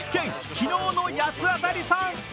昨日の八つ当たりさん。